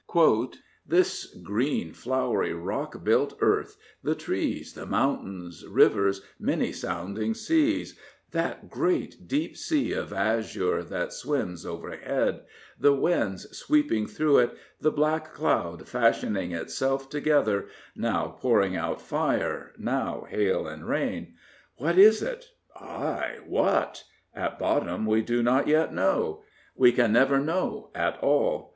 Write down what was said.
" This green, flowery, rock built earth, the trees, the mountains, rivers, many sounding seas ;— ^that great deep sea of azurjt that swims overhead; the winds sweeping throtigh it; the black cloud fashioning itself together, now pouring out fire, now hail and rain; what is it? Ay, what? At bottom, we do not yet know; we can never know at all.